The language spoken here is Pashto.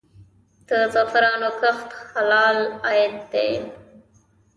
د زعفرانو کښت حلال عاید دی؟